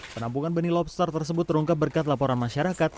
penampungan benih lobster tersebut terungkap berkat laporan masyarakat